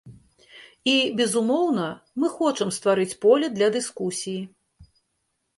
І, безумоўна, мы хочам стварыць поле для дыскусіі.